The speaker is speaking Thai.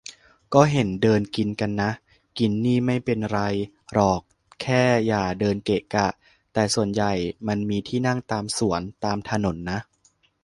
ก็เห็นเดินกินกันนะ กินนี่ไม่เป็นไรหรอกแค่อย่าเดินเกะกะ แต่ส่วนใหญ่มันมีที่นั่งตามสวน ตามถนนนะ